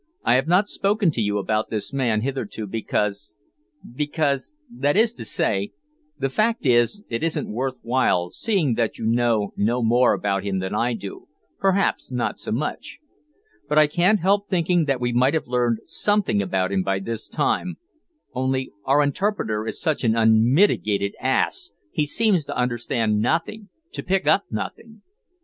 "I have not spoken to you about this man hitherto, because because that is to say the fact is, it wasn't worth while, seeing that you know no more about him than I do, perhaps not so much. But I can't help thinking that we might have learned something about him by this time, only our interpreter is such an unmitigated ass, he seems to understand nothing to pick up nothing."